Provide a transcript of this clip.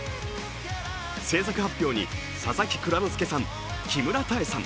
制作発表に佐々木蔵之介さん、木村多江さん